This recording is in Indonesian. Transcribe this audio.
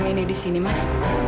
ngapain orang ini disini mas